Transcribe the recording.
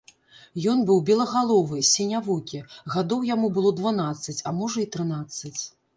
Ён быў белагаловы, сінявокі, гадоў яму было дванаццаць, а можа і трынаццаць.